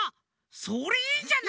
それいいんじゃない？